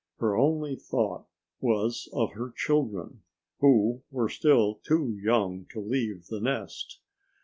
Her only thought was of her children, who were still too young to leave the nest.